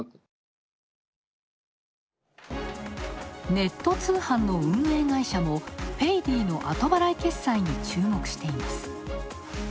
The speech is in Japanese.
ネット通販の運営会社もペイディの後払い決済に注目しています。